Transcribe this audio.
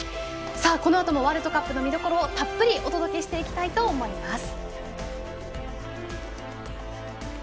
このあともワールドカップの見どころをたっぷりお届けしていきたいと思います。